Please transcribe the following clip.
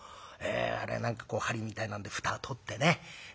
あれを何かこう針みたいなんで蓋を取ってね